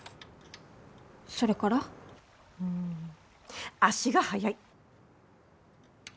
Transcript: それから？ん足が速い！